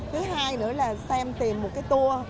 thứ hai nữa là xem tìm một cái tour